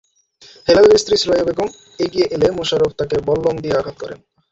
হেলালের স্ত্রী সুরাইয়া বেগম এগিয়ে এলে মোশারফ তাঁকে বল্লম দিয়ে আঘাত করেন।